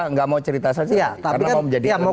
nggak mau cerita saja karena mau menjadi anggota